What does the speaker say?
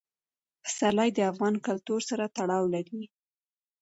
پسرلی د افغان کلتور سره تړاو لري.